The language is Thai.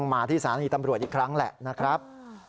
มาที่สถานีตำรวจอีกครั้งแหละนะครับ